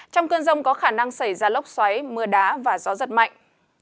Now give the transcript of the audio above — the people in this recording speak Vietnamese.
trong cơn rông có khả năng xảy ra lốc xoáy mưa đá và gió giật mạnh